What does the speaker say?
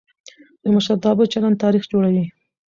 د مشرتابه چلند تاریخ جوړوي